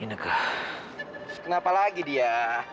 ineke kenapa lagi dia